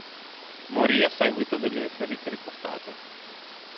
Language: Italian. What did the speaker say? Morì a seguito delle ferite riportate.